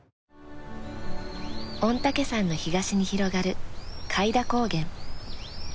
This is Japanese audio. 御嶽山の東に広がる開田高原。